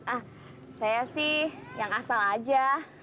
ah saya sih yang asal aja